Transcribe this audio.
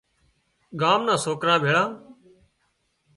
ڳام نان سوڪران ڀڻيان